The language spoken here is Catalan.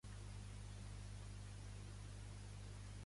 Va ser fills del sots-almirall Augustus F. Fechteler.